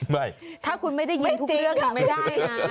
ไม่ถ้าคุณไม่ได้ยินทุกเรื่องไม่ได้นะ